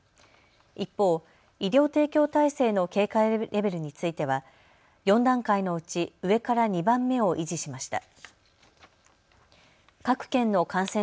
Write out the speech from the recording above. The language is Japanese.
一方、医療提供体制の警戒レベルについては４段階のうち上から２番目を維持しました。